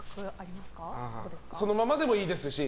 そのままでもいいですし。